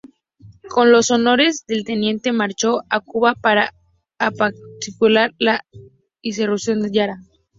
Con los honores de teniente marchó a Cuba para apaciguar la insurrección de Yara.